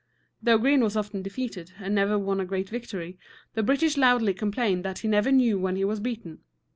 Though Greene was often defeated and never won a great victory, the British loudly complained that he never knew when he was beaten.